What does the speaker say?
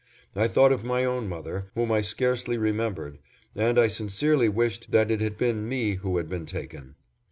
I thought of my own mother, whom I scarcely remembered, and I sincerely wished that it had been me who had been taken.